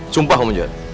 sumpah kamu jahat